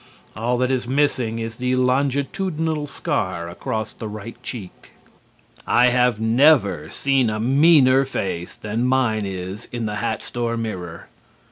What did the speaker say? All that is missing is the longitudinal scar across the right cheek. I have never seen a meaner face than mine is in the hat store mirror.